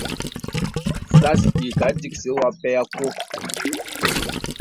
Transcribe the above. Sās yìkā dìksì wɔ̄ a pɛ kɔ̄.